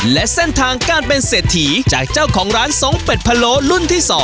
และเส้นทางการเป็นเศรษฐีจากเจ้าของร้านทรงเป็ดพะโลรุ่นที่๒